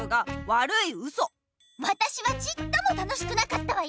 わたしはちっとも楽しくなかったわよ！